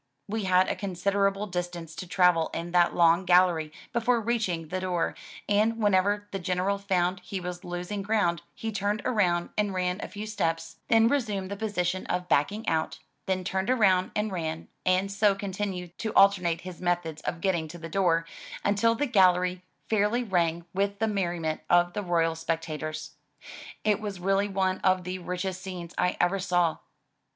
We had a considerable distance to travel in that long gallery before reach ing the door, and whenever the General found he was losing ground, he turned around and ran a few steps, then resumed the position of backing out,'* then turned around and ran, and so continued to alternate his methods of getting to the door, imtil the gallery fairly rang with the merriment of the royal spectators. It was really one of the richest scenes I ever saw.